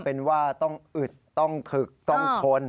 เป็นว่าต้องอึดต้องถึกต้องทน